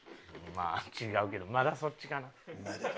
まあ違うけどまだそっちかな。